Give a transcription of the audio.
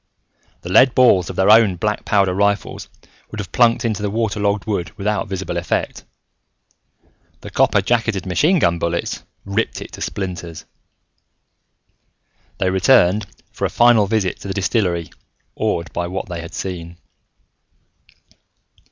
The lead balls of their own black powder rifles would have plunked into the water logged wood without visible effect. The copper jacketed machine gun bullets ripped it to splinters. They returned for a final visit to the distillery awed by what they had seen.